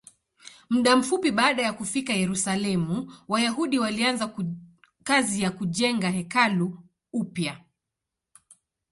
Muda mfupi baada ya kufika Yerusalemu, Wayahudi walianza kazi ya kujenga hekalu upya.